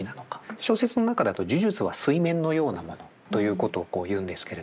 小説の中だと呪術は水面のようなものということを言うんですけれど。